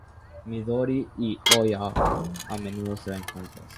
Midori y Aoi a menudo se ven juntas.